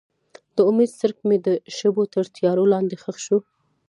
د امید څرک مې د شپو تر تیارو لاندې ښخ شو.